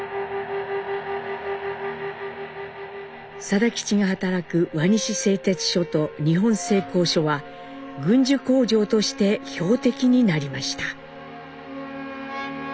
定吉が働く輪西製鉄所と日本製鋼所は軍需工場として標的になりました。